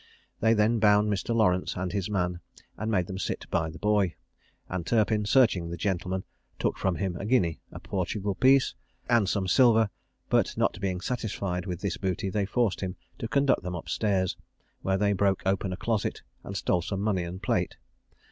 They then bound Mr. Lawrence and his man, and made them sit by the boy; and Turpin, searching the gentleman, took from him a guinea, a Portugal piece, and some silver; but, not being satisfied with this booty, they forced him to conduct them up stairs, where they broke open a closet, and stole some money and plate.